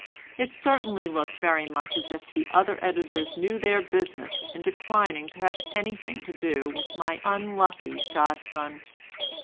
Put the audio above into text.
It certainly looked very much as if the other editors knew their business in declining to have anything to do with my unlucky godson.